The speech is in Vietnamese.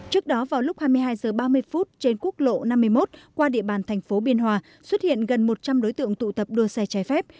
trước đó vào lúc hai mươi hai h ba mươi trên quốc lộ năm mươi một qua địa bàn thành phố biên hòa xuất hiện gần một trăm linh đối tượng tụ tập đua xe trái phép